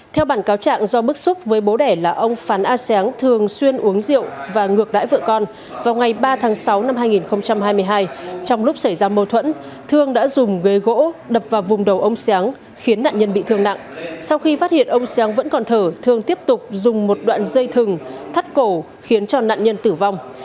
tòa án a sáng thường xuyên uống rượu và ngược đãi vợ con vào ngày ba tháng sáu năm hai nghìn hai mươi hai trong lúc xảy ra mâu thuẫn thương đã dùng ghế gỗ đập vào vùng đầu ông sáng khiến nạn nhân bị thương nặng sau khi phát hiện ông sáng vẫn còn thở thương tiếp tục dùng một đoạn dây thừng thắt cổ khiến cho nạn nhân tử vong